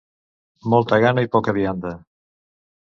Molta gana i poca vianda.